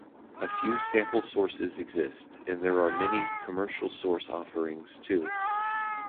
A few sample sources exist, and there are many commercial source offerings, too.